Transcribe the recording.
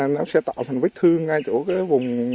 nó sẽ tạo thành vết thương ngay chỗ cái vùng